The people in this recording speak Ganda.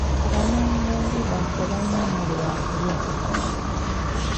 Abanoonyiboobubudamu tebalina mmere ya kulya.